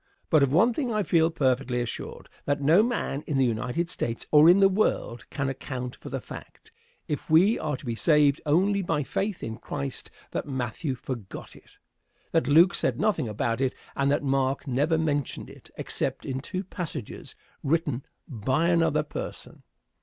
But of one thing I feel perfectly assured; that no man in the United States, or in the world, can account for the fact, if we are to be saved only by faith in Christ, that Matthew forgot it, that Luke said nothing about it, and that Mark never mentioned it except in two passages written by another person.